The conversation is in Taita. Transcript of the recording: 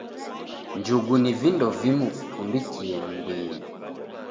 Njugu ni vindo vimu vikundikie m'mbinyi.